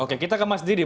oke kita ke mas didi